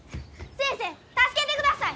先生助けてください！